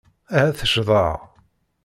Ahat ccḍeɣ.